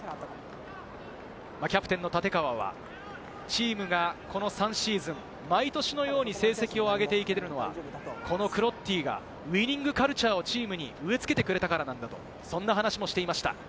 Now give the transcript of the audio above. キャプテンの立川はチームがこの３シーズン、毎年のように成績を上げていけているのは、このクロッティがウイニングカルチャーをチームに植え付けてくれたからなんだと話していました。